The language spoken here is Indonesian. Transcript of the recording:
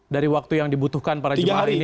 dari waktu yang dibutuhkan pada jumlah hari ini